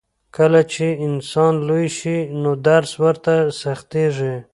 کله چې انسان لوی شي نو درس ورته سختېږي.